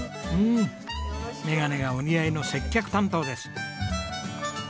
うん眼鏡がお似合いの接客担当です。